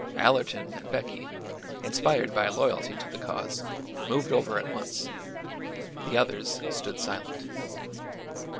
Allerton and Becky, inspired by loyalty to the cause, moved over at once. The others stood silent.